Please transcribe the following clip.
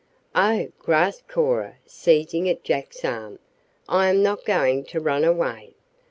"Oh!" gasped Cora, seizing at Jack's arm. "I am not going to run away.